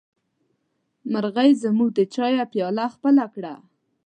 مرغۍ زموږ د چايه پياله خپله کړه.